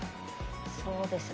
そうですね。